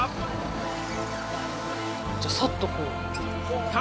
じゃあさっとこう。